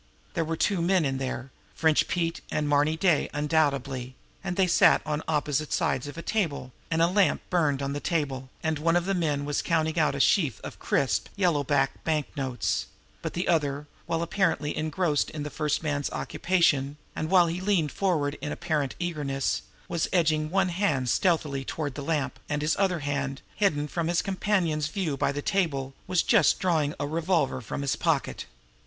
There were two men in there, French Pete and Marny Day undoubtedly, and they sat on opposite sides of a table, and a lamp burned on the table, and one of the men was counting out a sheaf of crisp yellow back banknotes but the other, while apparently engrossed in the first man's occupation, and while he leaned forward in apparent eagerness, was edging one hand stealthily toward the lamp, and his other hand, hidden from his companion's view by the table, was just drawing a revolver from his pocket.